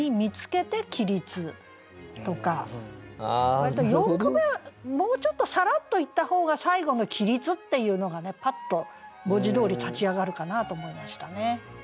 割と四句目もうちょっとさらっと言った方が最後の「起立」っていうのがねパッと文字どおり立ち上がるかなと思いましたね。